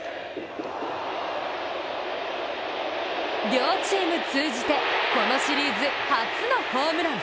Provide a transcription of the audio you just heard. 両チーム通じてこのシリーズ初のホームラン。